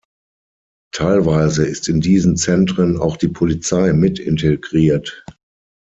Teilweise ist in diesen Zentren auch die Polizei mit integriert.